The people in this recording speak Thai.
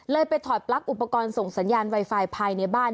ไปถอดปลั๊กอุปกรณ์ส่งสัญญาณไวไฟภายในบ้าน